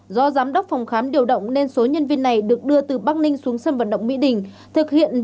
do giám đốc phòng khám điều động nên số nhân viên này được đưa từ bắc ninh xuống sân vận động mỹ đình thực hiện